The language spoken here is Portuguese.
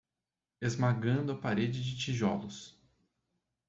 Esmagando a parede de tijolos